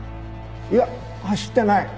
いや走ってない。